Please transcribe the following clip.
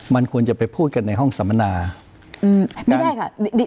มันควรจะไปพูดกันในห้องสำนาค์